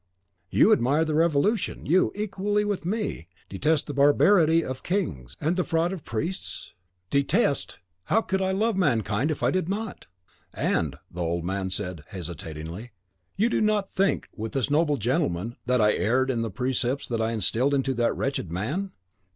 You admire the Revolution; you, equally with me, detest the barbarity of kings and the fraud of priests?" "Detest! How could I love mankind if I did not?" "And," said the old man, hesitatingly, "you do not think, with this noble gentleman, that I erred in the precepts I instilled into that wretched man?"